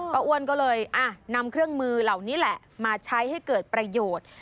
อ้วนก็เลยนำเครื่องมือเหล่านี้แหละมาใช้ให้เกิดประโยชน์